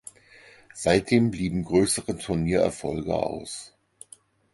Seitdem blieben größere Turniererfolge aus.